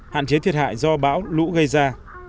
hạn chế thiệt hại do bão lũ gây ra